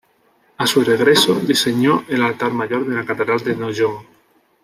A su regreso, diseñó el altar mayor de la catedral de Noyon.